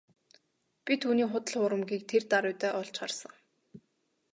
Би түүний худал хуурмагийг тэр даруйдаа олж харсан.